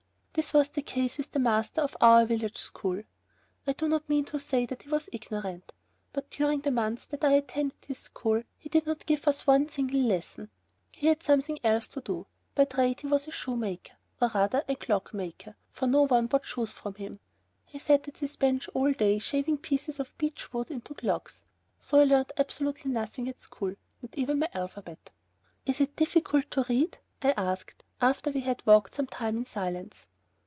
This was the case with the master of our village school. I do not mean to say that he was ignorant, but during the month that I attended his school, he did not give us one single lesson. He had something else to do. By trade he was a shoe maker, or rather, a clog maker, for no one bought shoes from him. He sat at his bench all day, shaving pieces of beech wood into clogs. So I learnt absolutely nothing at school, not even my alphabet. "Is it difficult to read?" I asked, after we had walked some time in silence.